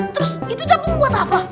terus itu capung buat apa